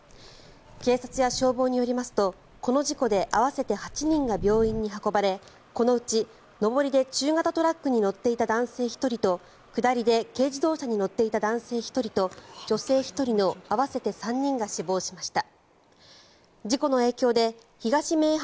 警察や消防によりますとこの事故で合わせて８人が病院に運ばれこのうち、上りで中型トラックに乗っていた男性１人と下りで軽自動車に乗っていた男性１人と女性１人の合わせて３人が死亡しました。